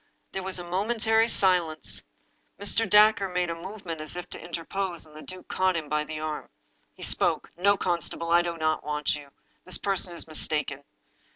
There was a momentary silence. Mr. Dacre made a move ment as if to interpose. The duke caught him by the arm. He spoke: "No, constable, I do not want you. This person is mistaken."